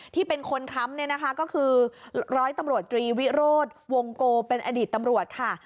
ที่เป็นคนค้ำเนี่ยนะคะก็คือร้อยตำรวจตรีวิโรธวงโกเป็นอดีตตำรวจค่ะ